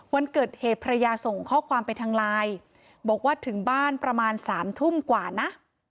วันเกิดเหตุภรรยาส่งข้อความไปทางไลน์บอกว่าถึงบ้านประมาณ๓ทุ่มกว่านะ